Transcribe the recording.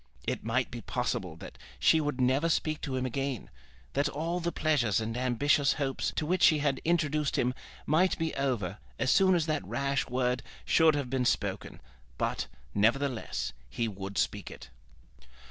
It might be possible that she would never speak to him again; that all the pleasures and ambitious hopes to which she had introduced him might be over as soon as that rash word should have been spoken! But, nevertheless, he would speak it.